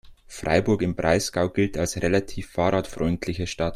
Freiburg im Breisgau gilt als relativ fahrradfreundliche Stadt.